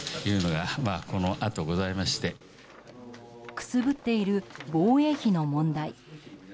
くすぶっている防衛費の問題。